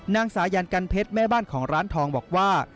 สายันกันเพชรแม่บ้านของร้านทองบอกว่า